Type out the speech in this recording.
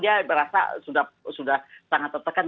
dia berasa sudah sangat tertekan